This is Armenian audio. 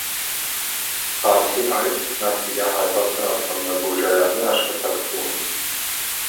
Բացի այդ, նա սիրահարված է ատամնաբուժարանի աշխատակցուհուն։